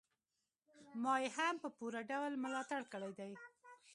ما يې هم په پوره ډول ملاتړ کړی دی.